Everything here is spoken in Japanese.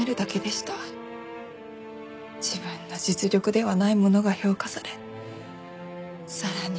自分の実力ではないものが評価されさらに